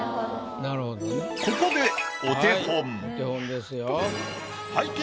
ここでお手本。